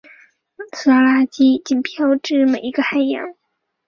塑料垃圾已经飘至每一个海洋。